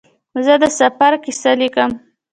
زه د سفر کیسه لیکم.